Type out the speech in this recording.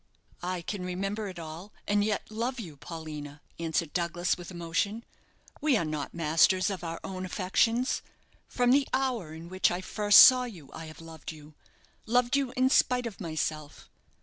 "I can remember it all, and yet love you, Paulina," answered Douglas, with emotion. "We are not masters of our own affections. From the hour in which I first saw you I have loved you loved you in spite of myself.